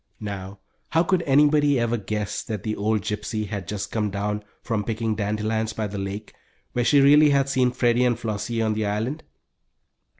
Now, how could anybody ever guess that the old gypsy had just come down from picking dandelions by the lake, where she really had seen Freddie and Flossie on the island?